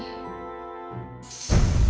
haris akan tahu